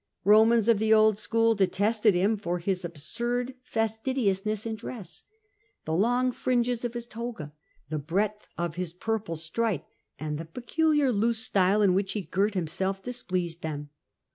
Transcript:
Romans of the old scliool detested him for his absurd fastidiousness in dress ; the long fringes of his toga, the breadth of his purple stripe, and the peculiar loose style in which he girt himself displeased them.